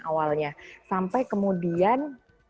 awalnya sampai kemudian